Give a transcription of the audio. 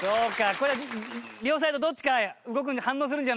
これは両サイドどっちか動く反応するんじゃないかと読んで？